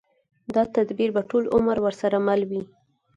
دا تدبير به ټول عمر ورسره مل وي.